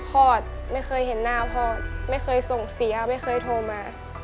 คลอดไม่เคยเห็นหน้าพ่อไม่เคยส่งเสียไม่เคยโทรมา